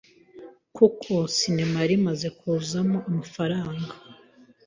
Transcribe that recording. kuko cinema yari imaze kuzamo amafaranga ,